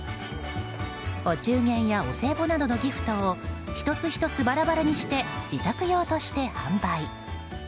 お中元やお歳暮などのギフトを１つ１つバラバラにして自宅用として販売。